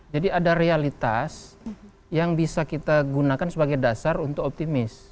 jadi ada realitas yang bisa kita gunakan sebagai dasar untuk optimis